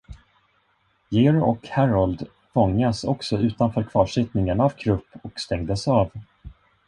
George och Harold fångas också utanför kvarsittningen av Krupp och stängdes av.